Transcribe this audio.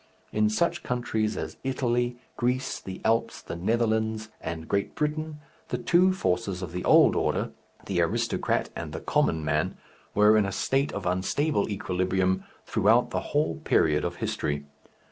In such countries as Italy, Greece, the Alps, the Netherlands, and Great Britain, the two forces of the old order, the aristocrat and the common man, were in a state of unstable equilibrium through the whole period of history.